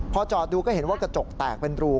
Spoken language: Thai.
พอจอดดูก็เห็นว่ากระจกแตกเป็นรู